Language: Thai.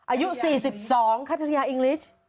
อายุ๔๒คัตุริยาอิงเวร์จ์